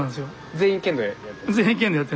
全員剣道やって。